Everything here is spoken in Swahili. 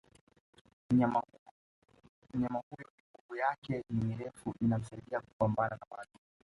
Mnyama huyo miguu yake ni mirefu inamsaidia kupambana na maadui